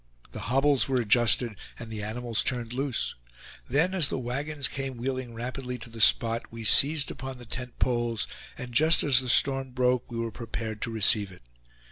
The hobbles were adjusted, and the animals turned loose; then, as the wagons came wheeling rapidly to the spot, we seized upon the tent poles, and just as the storm broke, we were prepared to receive it.